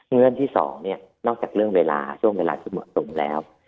เงื่อนที่๒นอกจากเรื่องเวลาช่วงเวลาที่เหมาะสมแล้ว